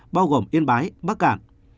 bao gồm yên bái bắc cảng